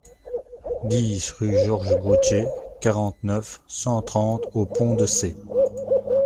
dix rue Georges Gautier, quarante-neuf, cent trente aux Ponts-de-Cé